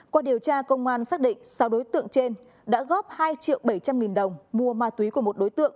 qua điều tra công an xác định sáu đối tượng trên đã góp hai triệu bảy trăm linh nghìn đồng mua ma túy của một đối tượng